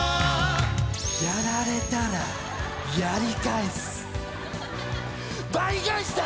「やられたらやり返す」「倍返しだ！」